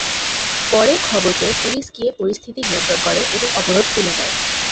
পরে খবর পেয়ে পুলিশ গিয়ে পরিস্থিতি নিয়ন্ত্রণ করে এবং অবরোধ তুলে দেয়।